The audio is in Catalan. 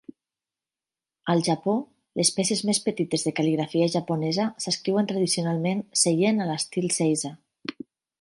Al Japó, les peces més petites de cal·ligrafia japonesa s'escriuen tradicionalment seient a l'estil seiza.